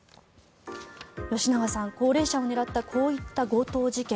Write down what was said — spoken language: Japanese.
吉永さん、高齢者を狙ったこういった強盗事件